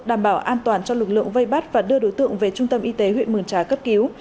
đảm bảo an toàn cho lực lượng vây bắt và đưa đối tượng về trung tâm y tế huyện mường trà cấp cứu